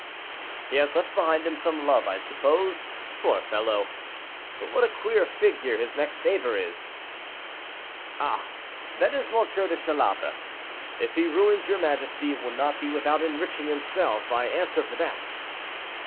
"He has left behind him some love, I suppose, poor fellow. But what a queer figure his next neighbor is." "Ah! that is M. de Chalabre. If he ruins your majesty, it will not be without enriching himself, I answer for it."